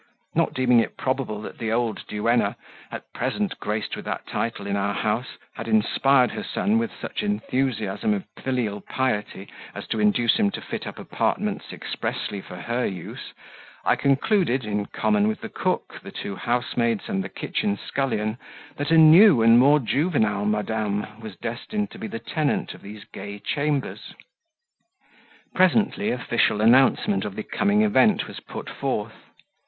Not deeming it probable that the old duenna at present graced with that title in our house, had inspired her son with such enthusiasm of filial piety, as to induce him to fit up apartments expressly for her use, I concluded, in common with the cook, the two housemaids, and the kitchen scullion, that a new and more juvenile Madame was destined to be the tenant of these gay chambers. Presently official announcement of the coming event was put forth.